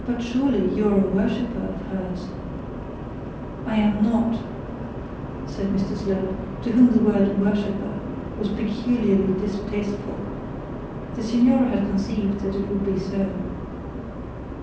'But surely you are a worshipper of hers?' 'I am not,' said Mr Slope, to whom the word worshipper was peculiarly distasteful. The signora had conceived that it would be so.